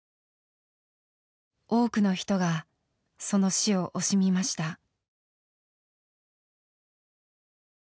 多くの人がその死を惜しみました。